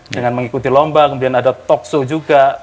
dengan mengikuti lomba kemudian ada talk show juga